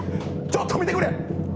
ちょっと見てくれ。